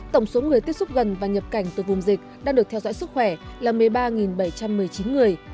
tổng số người tiếp xúc gần và nhập cảnh từ vùng dịch đang được theo dõi sức khỏe là một mươi ba bảy trăm một mươi chín người